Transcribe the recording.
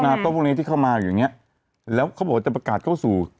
นาโตะพวกนี้ที่เข้ามาอยู่นะแล้วเขาบอกว่าจะประกาศเข้าสู่